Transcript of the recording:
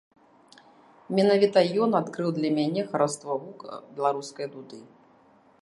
Менавіта ён адкрыў для мяне хараство гука беларускай дуды.